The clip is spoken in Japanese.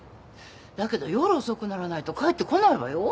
だけど夜遅くならないと帰ってこないわよ。